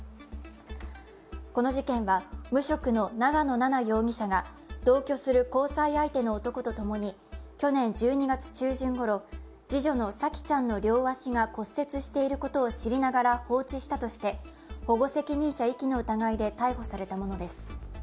この事件は無職の長野奈々容疑者が同居する交際相手の男とともに去年１２月中旬ごろ次女の沙季ちゃんの両足が骨折していることを知りながら放置したとして、保護責任者遺棄の疑いで逮捕されたものです。